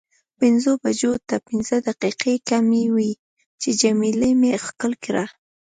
پنځو بجو ته پنځه دقیقې کمې وې چې جميله مې ښکل کړه.